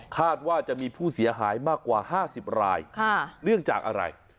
ว่าจะมีผู้เสียหายมากกว่า๕๐รายเนื่องจากอะไร